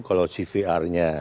kalau cvr nya